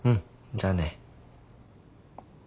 じゃあね。